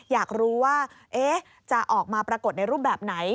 อยากรู้ว่าจะออกมาปรากฏในรูปแบบไหน